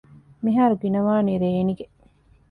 މިހާރު ގިނަވާނީ ރޭނިގެ